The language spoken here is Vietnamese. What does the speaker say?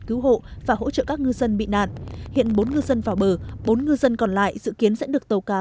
cứu hộ và hỗ trợ các ngư dân bị nạn hiện bốn ngư dân vào bờ bốn ngư dân còn lại dự kiến sẽ được tàu cá